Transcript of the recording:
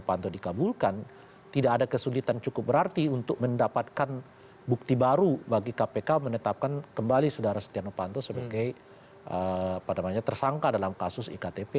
karena dikabulkan tidak ada kesulitan cukup berarti untuk mendapatkan bukti baru bagi kpk menetapkan kembali saudara stenovanto sebagai pada makanya tersangka dalam kasus iktp